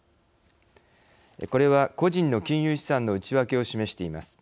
これは、個人の金融資産の内訳を示しています。